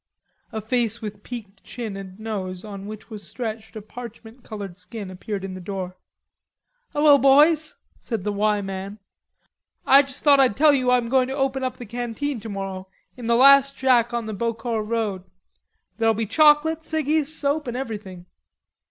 A face with peaked chin and nose on which was stretched a parchment colored skin appeared in the door. "Hello, boys," said the "Y" man. "I just thought I'd tell you I'm going to open the canteen tomorrow, in the last shack on the Beaucourt road. There'll be chocolate, ciggies, soap, and everything."